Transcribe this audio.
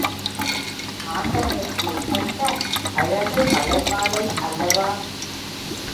ஆண்டவனுக்கு உகந்த அழகு மலர் மாலை அல்லவா?